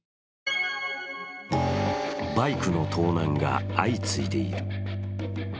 バイクの盗難が相次いでいる。